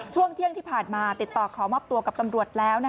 ช่วงเที่ยงที่ผ่านมาติดต่อขอมอบตัวกับตำรวจแล้ว